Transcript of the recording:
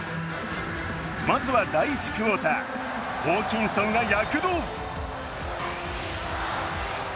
まずは第１クオーター、ホーキンソンが躍動。